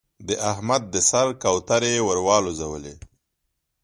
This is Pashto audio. د احمد د سر کوترې يې ور والوزولې.